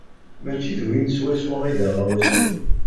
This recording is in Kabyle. Mačči d win swaswa i d aɣawas-iw.